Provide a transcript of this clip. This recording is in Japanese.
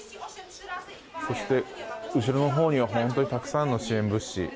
そして、後ろのほうにはたくさんの支援物資。